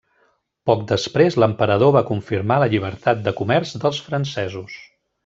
Poc després l'emperador va confirmar la llibertat de comerç dels francesos.